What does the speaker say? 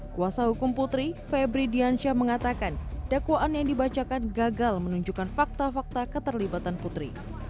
kuasa hukum putri febri diansyah mengatakan dakwaan yang dibacakan gagal menunjukkan fakta fakta keterlibatan putri